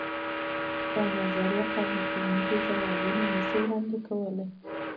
دا نظریې قانع کوونکي ځوابونه نه شي وړاندې کولای.